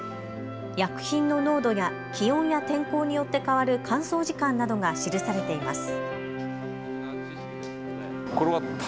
薬品の濃度や気温や天候によって変わる乾燥時間などが記されています。